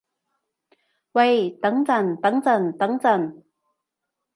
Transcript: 喂等陣等陣等陣